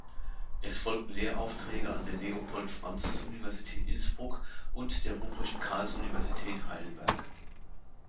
Es folgten Lehraufträge an der Leopold-Franzens-Universität Innsbruck und der Ruprecht-Karls-Universität Heidelberg.